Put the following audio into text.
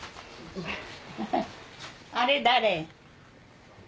あれ誰？